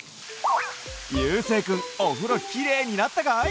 ゆうせいくんおふろきれいになったかい？